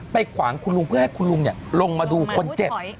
ขวางคุณลุงเพื่อให้คุณลุงลงมาดูคนเจ็บ